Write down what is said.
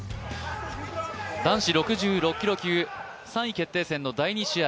男子６６キロ級、３位決定戦の第２試合。